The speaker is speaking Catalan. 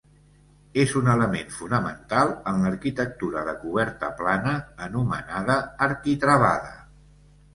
És un element fonamental en l'arquitectura de coberta plana, anomenada arquitravada.